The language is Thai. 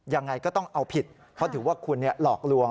ยังไงก็ต้องเอาผิดเพราะถือว่าคุณหลอกลวง